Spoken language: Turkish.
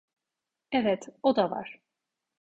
Evet, o da var.